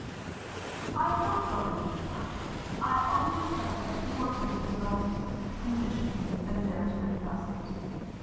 "I am not going into that. I only claim that more people know the condition than dare to confess it.